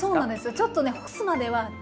ちょっとね干すまでは。